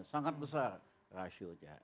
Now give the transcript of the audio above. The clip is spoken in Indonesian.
sangat besar rasio nya